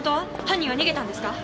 犯人は逃げたんですか？